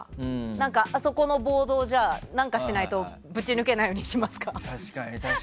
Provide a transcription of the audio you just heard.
あそこのボードを何かしないとぶち抜けないようにしますか。